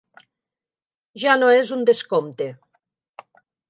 Ja no és un descompte!